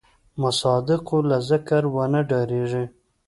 د مصادقو له ذکره ونه ډارېږي.